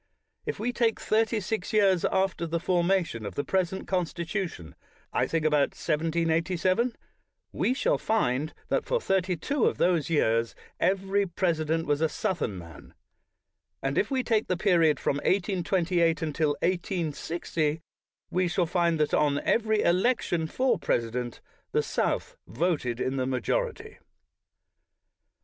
If we take thirty six years after the formation of the present Constitution — I think about 1787 — we shall find that for thirty two of those years every presi dent was a Southern man; and if we take the period from 1828 until 1860, we shall find that, on every election for president, the South voted in the majority.